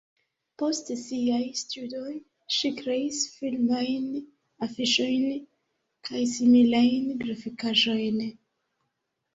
Post siaj studoj ŝi kreis filmajn afiŝojn kaj similajn grafikaĵojn.